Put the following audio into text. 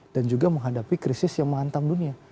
dan juga menghadapi krisis yang menghantam dunia